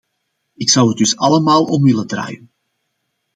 Ik zou het dus allemaal om willen draaien.